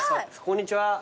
こんにちは。